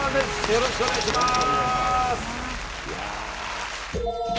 よろしくお願いします